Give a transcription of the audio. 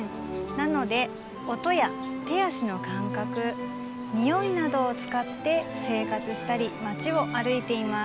なので音や手足のかんかくにおいなどをつかって生活したり町を歩いています。